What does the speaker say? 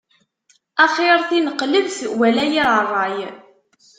Axir tineqlebt wala yir ṛṛay.